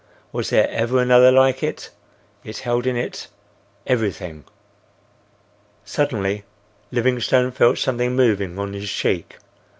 Was there ever another like it? It held in it—everything. Suddenly Livingstone felt something moving on his cheek.